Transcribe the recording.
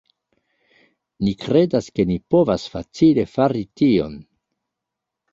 Ni kredas, ke ni povas facile fari tion